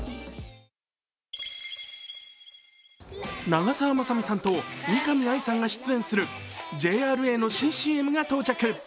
長澤まさみさんと見上愛さんが出演するＪＲＡの新ＣＭが到着。